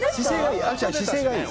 姿勢がいい。